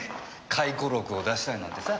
回顧録を出したいなんてさ。